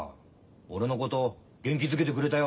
俺のこと元気づけてくれたよ。